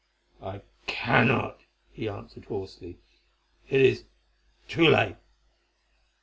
"I cannot," he answered hoarsely; "it is too late."